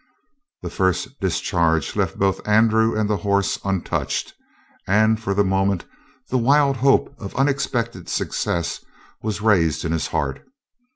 The first discharge left both Andrew and the horse untouched, and for the moment the wild hope of unexpected success was raised in his heart.